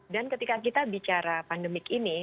dan ketika kita bicara pandemik ini